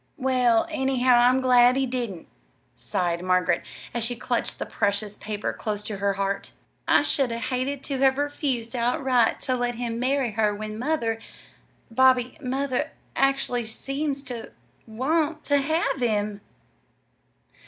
"Well, anyhow, I'm glad he didn't," sighed Margaret, as she clutched the precious paper close to her heart. "I should 'a' hated to have refused outright to let him marry her when mother Bobby, mother actually seems to want to have him!"